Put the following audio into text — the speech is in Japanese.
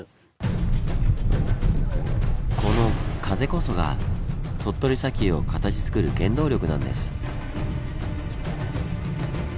この風こそが鳥取砂丘を形づくる原動力なんです。